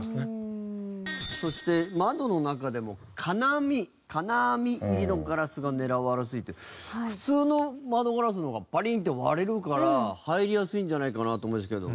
そして窓の中でも金網金網入りのガラスが狙われやすいって普通の窓ガラスの方がパリンッて割れるから入りやすいんじゃないかなと思うんですけども。